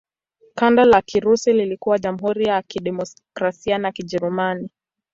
Kanda la Kirusi lilikuwa Jamhuri ya Kidemokrasia ya Kijerumani.